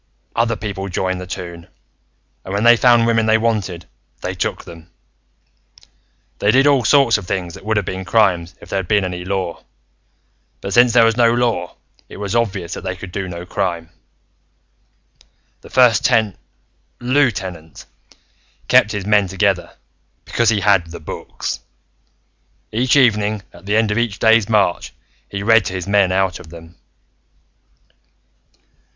Other people joined the toon, and when they found women they wanted, they took them. "They did all sorts of things that would have been crimes if there had been any law, but since there was no law, it was obvious that they could be no crime. "The First Ten Lieutenant kept his men together, because he had The Books. Each evening, at the end of each day's march, he read to his men out of them."